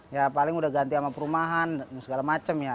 ya paling sudah ganti sama perumahan dan segala macam ya